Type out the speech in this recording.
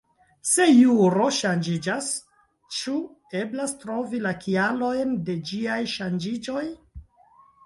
Se juro ŝanĝiĝas, ĉu eblas trovi la kialojn de ĝiaj ŝanĝiĝoj?